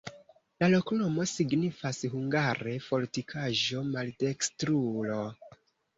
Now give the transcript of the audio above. La loknomo signifas hungare: fortikaĵo-maldekstrulo.